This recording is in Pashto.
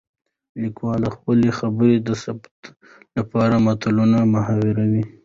ليکوال د خپلې خبرې د ثبوت لپاره متلونه ،محاورې